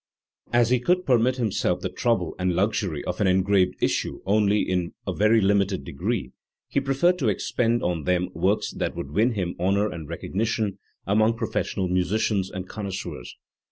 As he could permit himself the trouble and luxury of an engraved issue only in a very limited degree, he preferred to expend them on works that would win him honour and recognition among professional musi cians and connoisseurs.